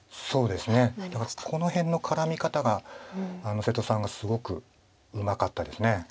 だからこの辺の絡み方が瀬戸さんがすごくうまかったです。